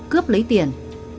cướp lấy tiền